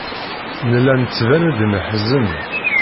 Nella nettban-d neḥzen.